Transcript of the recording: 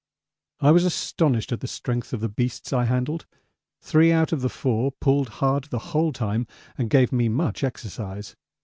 I was astonished at the strength of the beasts I handled; three out of the four pulled hard the whole time and gave me much exercise.